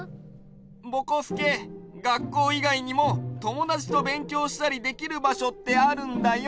ぼこすけがっこういがいにもともだちとべんきょうしたりできるばしょってあるんだよ。